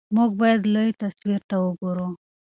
موږ باید لوی تصویر ته وګورو.